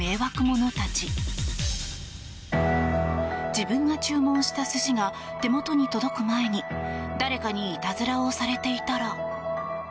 自分が注文した寿司が手元に届く前に誰かにいたずらをされていたら？